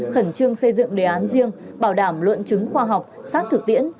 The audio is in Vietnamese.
khẩn trương xây dựng đề án riêng bảo đảm luận chứng khoa học sát thực tiễn